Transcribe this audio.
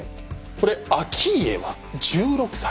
これ顕家は１６歳。